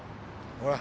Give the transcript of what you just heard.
ほら。